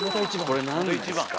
これ何ですか？